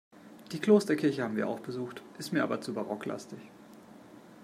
Die Klosterkirche haben wir auch besucht, ist mir aber zu barocklastig.